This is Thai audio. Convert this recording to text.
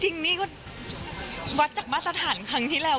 จริงนี่ก็วัดจากมาตรฐานครั้งที่แล้ว